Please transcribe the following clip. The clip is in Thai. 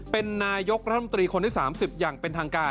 เป็นนายกรัฐมนตรีคนที่๓๐อย่างเป็นทางการ